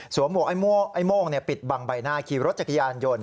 ไอ้โม่งปิดบังใบหน้าขี่รถจักรยานยนต์